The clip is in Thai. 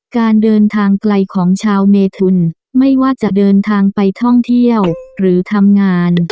การเดินทางไกลของชาวเมทุนไม่ว่าจะเดินทางไปท่องเที่ยวหรือทำงาน